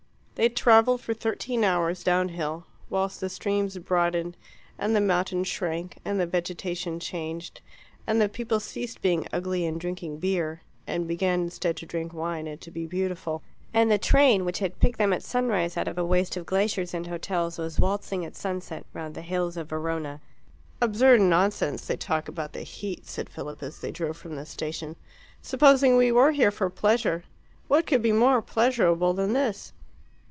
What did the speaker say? They travelled for thirteen hours down hill, whilst the streams broadened and the mountains shrank, and the vegetation changed, and the people ceased being ugly and drinking beer, and began instead to drink wine and to be beautiful. And the train which had picked them at sunrise out of a waste of glaciers and hotels was waltzing at sunset round the walls of Verona. "Absurd nonsense they talk about the heat," said Philip, as they drove from the station. "Supposing we were here for pleasure, what could be more pleasurable than this?"